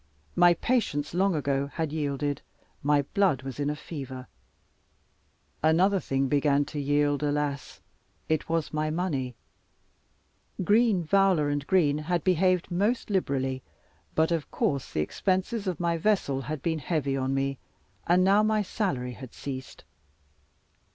My patience long ago had yielded, my blood was in a fever. Another thing began to yield, alas it was my money. Green, Vowler, and Green had behaved most liberally; but of course the expenses of my vessel had been heavy on me; and now my salary had ceased.